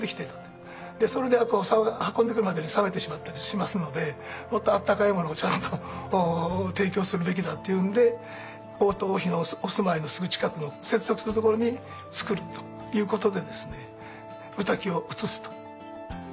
でそれで運んでくるまでに冷めてしまったりしますのでもっと温かいものをちゃんと提供するべきだっていうんで王と王妃のお住まいのすぐ近くの接続するところにつくるということで御嶽を移すと。